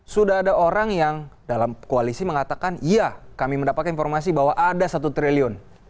sudah ada orang yang dalam koalisi mengatakan iya kami mendapatkan informasi bahwa ada satu triliun